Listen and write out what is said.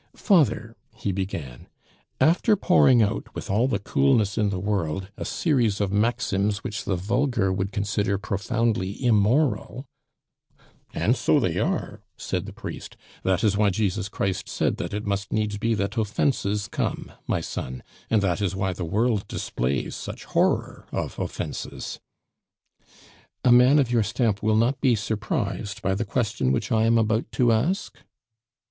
"Father," he began, "after pouring out, with all the coolness in the world, a series of maxims which the vulgar would consider profoundly immoral " "And so they are," said the priest; "that is why Jesus Christ said that it must needs be that offences come, my son; and that is why the world displays such horror of offences." "A man of your stamp will not be surprised by the question which I am about to ask?"